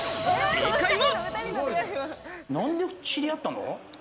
正解は。